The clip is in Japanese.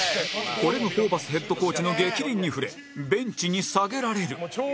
これがホーバスヘッドコーチの逆鱗に触れベンチに下げられる